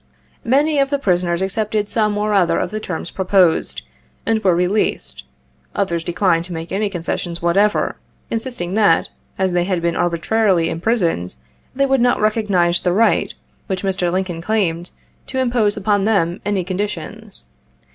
Many of the prisoners accepted some or other of the terms proposed, and were released ; others declined to make any concessions what ever — insisting that, as they had been arbitrarily imprison ed, they would not recognize the right, which Mr. Lincoln claimed, to impose upon them any conditions.